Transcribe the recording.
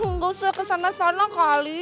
nggak usah kesana sana kali